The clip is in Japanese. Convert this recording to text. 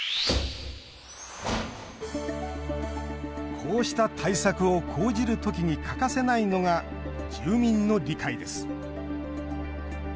こうした対策を講じるときに欠かせないのが住民の理解です。